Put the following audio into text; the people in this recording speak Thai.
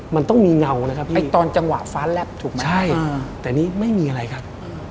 มันต้องมีเงานะครับไอ้ตอนจังหวะฟ้าแลบถูกไหมใช่แต่นี่ไม่มีอะไรครับ